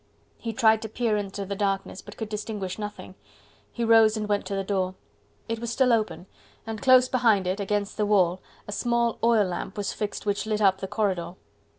He tried to peer into the darkness, but could distinguish nothing. He rose and went to the door. It was still open, and close behind it against the wall a small oil lamp was fixed which lit up the corridor.